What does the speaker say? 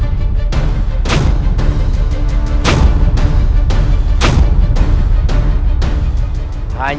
jangan lupa untuk menghubungi kami